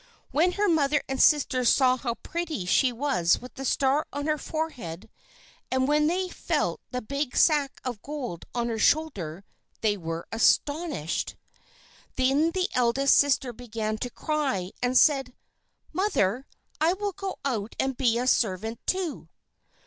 When her mother and sisters saw how pretty she was with the star on her forehead, and when they felt the big sack of gold on her shoulder, they were astonished. Then the eldest sister began to cry and say: "Mother, I will go out and be a servant, too!"